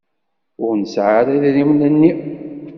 Ur nesɛi ara idrimen-nni.